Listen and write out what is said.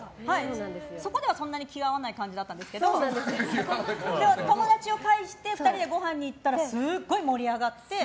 そこでは、そんなに気が合わない感じだったんですけど友達を介して２人でごはんに行ったらすごい盛り上がって。